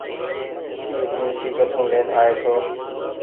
اي ٽيڻسي ڪٺون لين آئي ڇو۔